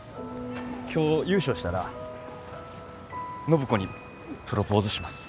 今日優勝したら暢子にプロポーズします。